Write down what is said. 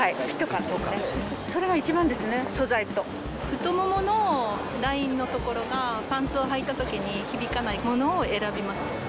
太もものラインの所がパンツをはいた時に響かないものを選びます。